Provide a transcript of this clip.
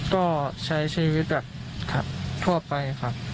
ก็ใช้ชีวิตแบบทั่วไปครับ